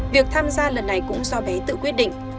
việc tham gia lần này cũng do bé tự quyết định